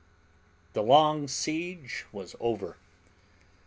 The long siege was over.